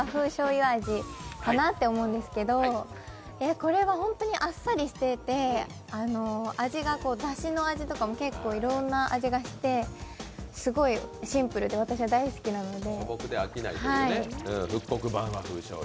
これは本当にあっさりしていてだしの味とかも結構いろいろな味がして、すごいシンプルで私は大好きなので。